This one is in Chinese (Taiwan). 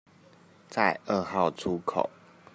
在二號出口